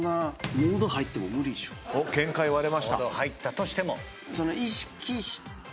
モード入ったとしても。